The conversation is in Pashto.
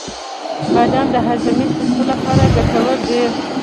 • بادام د هاضمې سیسټم لپاره ګټور دي.